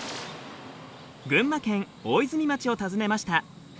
群馬県大泉町を訪ねました。